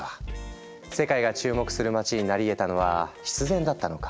世界が注目する街になりえたのは必然だったのか？